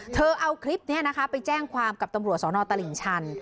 เธอเอาคลิปนี้นะคะไปแจ้งความกับตำรวจสนตลิ่งชัน